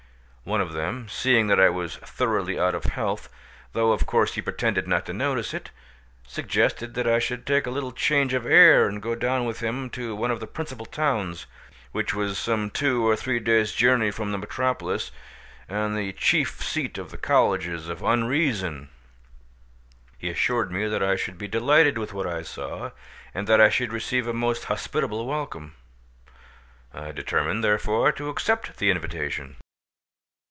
One of them, seeing that I was thoroughly out of health, though of course he pretended not to notice it, suggested that I should take a little change of air and go down with him to one of the principal towns, which was some two or three days' journey from the metropolis, and the chief seat of the Colleges of Unreason; he assured me that I should be delighted with what I saw, and that I should receive a most hospitable welcome. I determined therefore to accept the invitation.